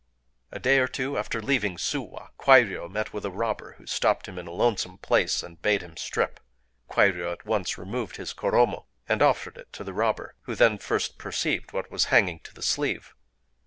A day or two after leaving Suwa, Kwairyō met with a robber, who stopped him in a lonesome place, and bade him strip. Kwairyō at once removed his koromo, and offered it to the robber, who then first perceived what was hanging to the sleeve.